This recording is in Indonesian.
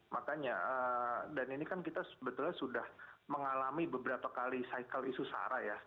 makanya dan ini kan kita sebetulnya sudah mengalami beberapa kali cycle isu sara ya